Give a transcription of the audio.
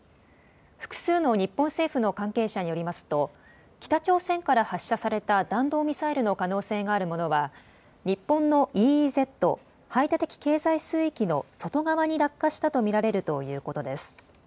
複数の日本政府の関係者によりますと北朝鮮から発射された弾道ミサイルの可能性があるものは日本のＥＥＺ・排他的経済水域の外側に落下したと見られるということです。